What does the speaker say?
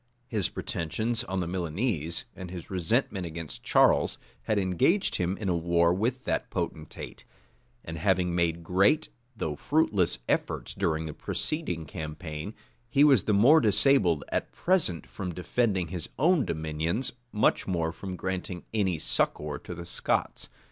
His pretensions on the Milanese, and his resentment against Charles, had engaged him in a war with that potentate; and having made great, though fruitless efforts during the preceding campaign, he was the more disabled at present from defending his own dominions, much more from granting any succor to the Scots.